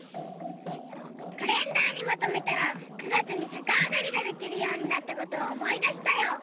カレンダーにまとめたら９月にさかあがりができるようになったことをおもいだしたよ。